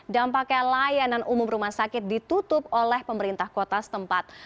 dampaknya layanan umum rumah sakit ditutup oleh pemerintah kota setempat